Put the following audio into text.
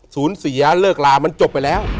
สูญเสียเลิกลามันจบไปแล้ว